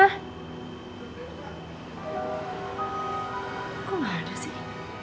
kok gak ada sih